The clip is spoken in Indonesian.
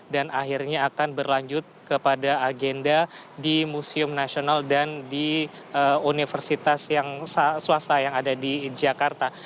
dan akhirnya akan berlanjut kepada agenda di museum nasional dan di universitas yang swasta yang ada di jakarta